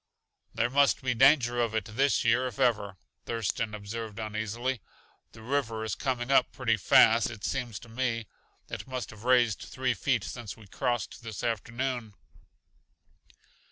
"There must be danger of it this year if ever," Thurston observed uneasily. "The river is coming up pretty fast, it seems to me. It must have raised three feet since we crossed this afternoon."